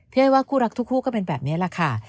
เพราะให้ว่าคู่รักทุกก็เป็นแบบนี้แหละค่ะ